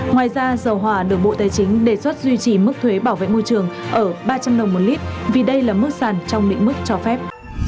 ngoài ra dầu hỏa được bộ tài chính đề xuất duy trì mức thuế bảo vệ môi trường ở ba trăm linh đồng một lít vì đây là mức sàn trong định mức cho phép